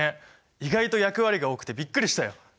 意外と役割が多くてびっくりしたよ！